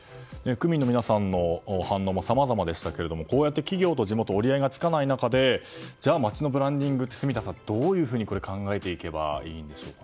区民の皆さんの反応もさまざまでしたけどこうやって企業と地元の折り合いがつかない中でじゃあ街のブランディングはどう考えていけばいいんでしょうか。